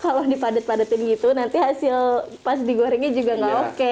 kalau dipadat padatkan begitu nanti hasil pas digorengnya juga tidak oke